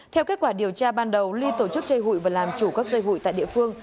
theo kết quả điều tra ban đầu ly tổ chức chơi hùi và làm chủ các chơi hùi tại địa phương